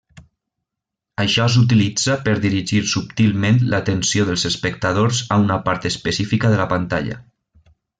Això s'utilitza per dirigir subtilment l'atenció dels espectadors a una part específica de la pantalla.